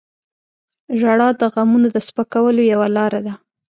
• ژړا د غمونو د سپکولو یوه لاره ده.